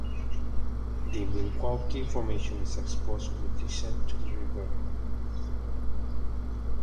The Milwaukee Formation is exposed on the descent to the river.